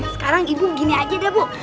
sekarang ibu gini aja deh bu